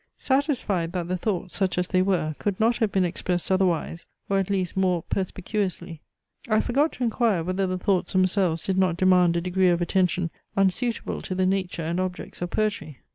Satisfied that the thoughts, such as they were, could not have been expressed otherwise, or at least more perspicuously, I forgot to inquire, whether the thoughts themselves did not demand a degree of attention unsuitable to the nature and objects of poetry.